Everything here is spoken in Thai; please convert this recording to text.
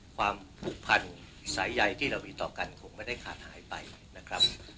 ความผูกพันสายใยที่เรามีต่อกันคงไม่ได้ขาดหายไปนะครับ